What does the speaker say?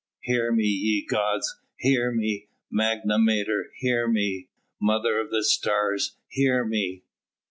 Hear me, ye gods hear me!... Magna Mater, hear me!... Mother of the stars hear me!"